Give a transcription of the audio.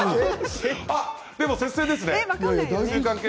でも接戦ですね。